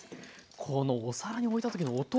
このお皿に置いた時の音。